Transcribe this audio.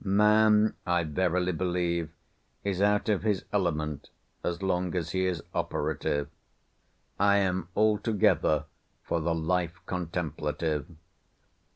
Man, I verily believe, is out of his element as long as he is operative. I am altogether for the life contemplative.